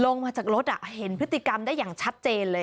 ลงมาจากรถเห็นพฤติกรรมได้อย่างชัดเจนเลย